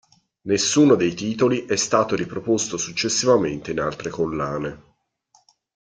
Nessuno dei titoli è stato riproposto successivamente in altre collane.